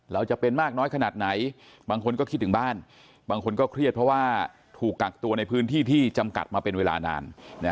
เราจะเป็นมากน้อยขนาดไหนบางคนก็คิดถึงบ้านบางคนก็เครียดเพราะว่าถูกกักตัวในพื้นที่ที่จำกัดมาเป็นเวลานาน